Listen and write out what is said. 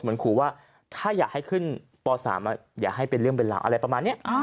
เหมือนขู่ว่าถ้าอยากให้ขึ้นป๓อย่าให้เป็นเรื่องเป็นราวอะไรประมาณนี้